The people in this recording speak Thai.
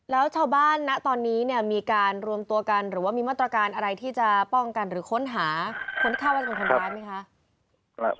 แล้วชาวบ้านณตอนนี้เนี่ยมีการรวมตัวกันหรือว่ามีมาตรการอะไรที่จะป้องกันหรือค้นหาคนคาดว่าเป็นคนร้ายไหมคะ